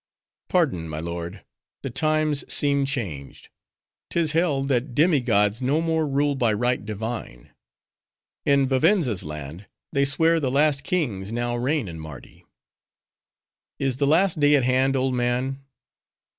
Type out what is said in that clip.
"Pardon, my lord; the times seem changed. 'Tis held, that demi gods no more rule by right divine. In Vivenza's land, they swear the last kings now reign in Mardi." "Is the last day at hand, old man?